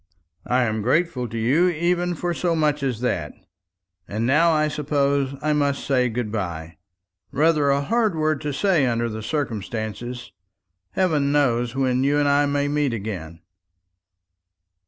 "I am grateful to you even for so much as that. And now I suppose I must say good bye rather a hard word to say under the circumstances. Heaven knows when you and I may meet again."